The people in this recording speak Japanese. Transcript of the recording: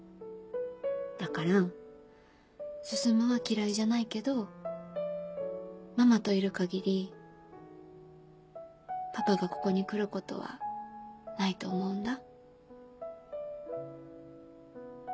だから進は嫌いじゃないけどママといる限りパパがここに来ることはないと思うんだ。